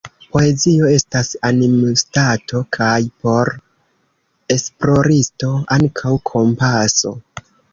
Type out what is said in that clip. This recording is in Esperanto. Poezio estas animstato – kaj, por esploristo, ankaŭ kompaso.